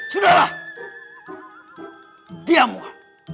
sudahlah diam wak